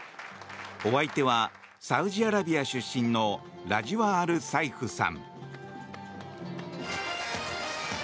お相手は、サウジアラビア出身のラジワ・アル・サイフさん。